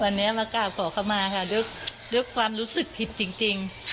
วันนี้มากราบขอเข้ามาค่ะด้วยความรู้สึกผิดจริง